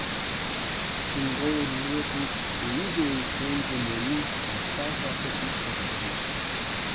Angolan militants were usually trained in their use by South African advisers.